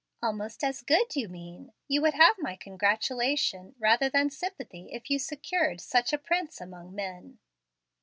"Almost as good, you mean. You would have my congratulation rather than sympathy if you secured such a prince among men."